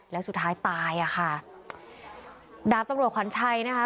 แล้วสุดท้ายตายอ่ะค่ะดาบตำรวจขวัญชัยนะคะ